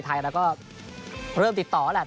ไทยเราก็เริ่มติดต่อแล้วแหละ